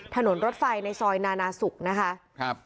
ถนนรถไฟในซอยนานาสุกนะคะ